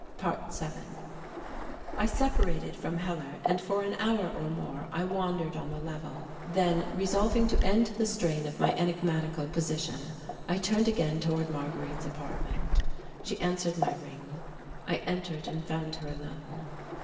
~7~ I separated from Hellar and for an hour or more I wandered on the level. Then resolving to end the strain of my enigmatical position I turned again toward Marguerite's apartment. She answered my ring. I entered and found her alone.